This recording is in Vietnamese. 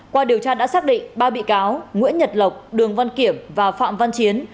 qua điều tra đã xác định ba bị cáo nguyễn nhật lộc đường văn kiểm và phạm văn chiến